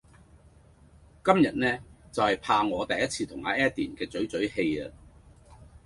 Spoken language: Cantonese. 今日呢就係怕我第一次同亞 Edan 嘅嘴嘴戲呀